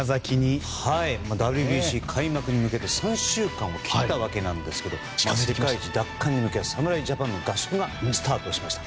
ＷＢＣ開幕に向けて３週間を切ったわけですが世界一奪還へ向けて侍ジャパンの合宿がスタートしました。